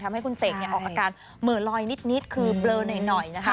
ให้คุณเสกออกอาการเหม่อลอยนิดคือเบลอหน่อยนะคะ